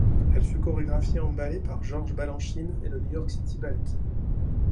Elle fut chorégraphiée en ballet par George Balanchine et le New York City Ballet.